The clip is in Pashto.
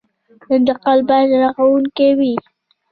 انتقاد باید رغونکی وي